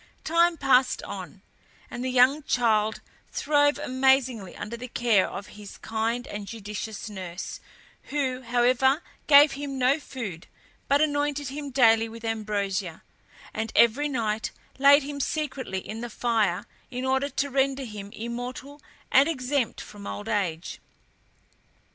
Time passed on, and the young child throve amazingly under the care of his kind and judicious nurse, who, however, gave him no food, but anointed him daily with ambrosia, and every night laid him secretly in the fire in order to render him immortal and exempt from old age.